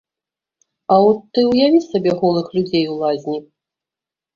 А от ты ўяві сабе голых людзей у лазні?